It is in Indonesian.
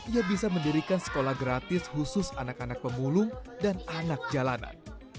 ia bisa mendirikan sekolah gratis khusus anak anak pemulung dan anak jalanan